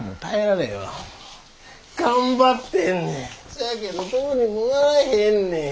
せやけどどうにもならへんねん。